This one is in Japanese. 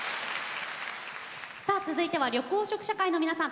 続いては緑黄色社会の皆さん